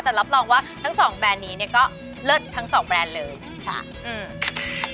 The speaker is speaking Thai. แต่รับรองว่าทั้งสองแบรนด์นี้เนี่ยก็เลิศทั้งสองแบรนด์เลยจ้ะอืม